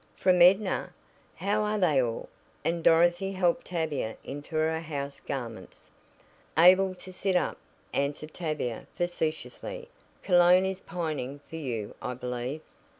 "From Edna? How are they all?" and Dorothy helped Tavia into her house garments. "Able to sit up," answered Tavia facetiously. "Cologne is pining for you, I believe."